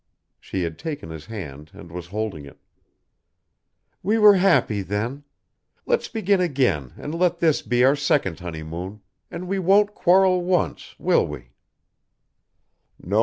She had taken his hand and was holding it. "We were happy then. Let's begin again and let this be our second honeymoon, and we won't quarrel once will we?"